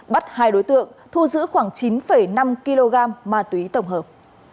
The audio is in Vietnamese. bắt hai đối tượng thu giữ khoảng chín năm kg ma túy tổng hợp